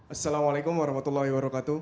assalamualaikum warahmatullahi wabarakatuh